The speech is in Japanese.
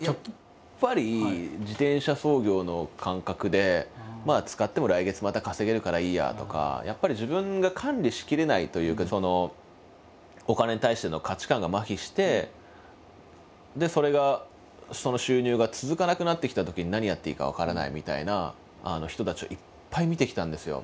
やっぱり自転車操業の感覚で使っても来月また稼げるからいいやとかやっぱり自分が管理しきれないというかお金に対しての価値観がまひしてそれがその収入が続かなくなってきたときに何やっていいか分からないみたいな人たちをいっぱい見てきたんですよ。